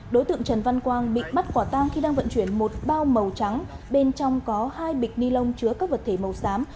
đối tượng trần văn quang bị bắt quả tang khi đang vận chuyển một bao màu trắng bên trong có hai bịch ni lông chứa các vật thể màu xám